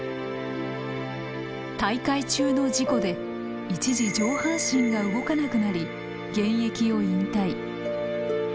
大会中の事故で一時上半身が動かなくなり現役を引退。